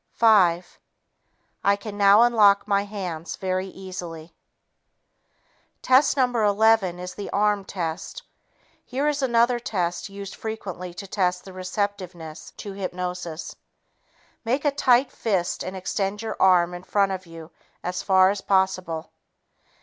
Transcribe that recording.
Five ... I can now unlock my hands very easily." Test No. 11 is the "arm" test. Here is another test used frequently to test the receptiveness to hypnosis. Make a tight fist and extend your arm in front of you as far as possible.